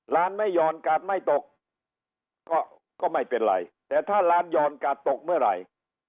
ล้านไม่ยอมกัดไม่ตกก็ก็ไม่เป็นไรแต่ถ้าล้านยอมกัดตกเมื่อไหร่